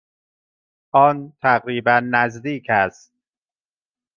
آن تقریبا نزدیک است.